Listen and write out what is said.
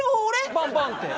バンバーンって。